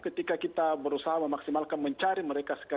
ketika kita berusaha memaksimalkan mencari mereka